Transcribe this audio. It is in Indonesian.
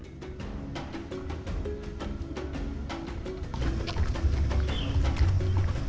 dari yang pertama memberi makan pakan cair daging daging lainnya